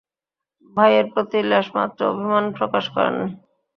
ভাইয়ের প্রতি লেশমাত্র অভিমান প্রকাশ করেন নাই।